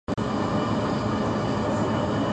体脂肪率